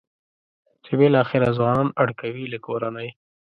چې بالاخره ځوانان اړ کوي له کورنۍ.